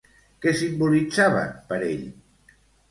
Què simbolitzaven per ell?